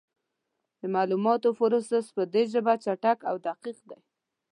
د معلوماتو پروسس په دې ژبه چټک او دقیق دی.